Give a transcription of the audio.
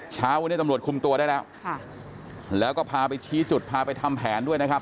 เช้าวันนี้ตำรวจคุมตัวได้แล้วค่ะแล้วก็พาไปชี้จุดพาไปทำแผนด้วยนะครับ